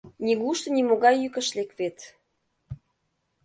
Нигушто нимогай йӱк ыш лек вет.